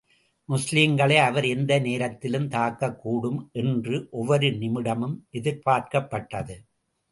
முஸ்லிம்களை அவர் எந்த நேரத்திலும் தாக்கக் கூடும் என்று ஒவ்வொரு நிமிடமும் எதிர்பார்க்கப்பட்டது.